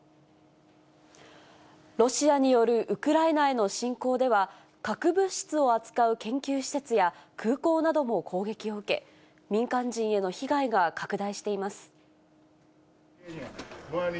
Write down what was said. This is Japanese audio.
ロシアによるウクライナへの侵攻では、核物質を扱う研究施設や、空港なども攻撃を受け、民間人への被害が拡大しています。